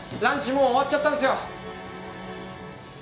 もう終わっちゃったんですよ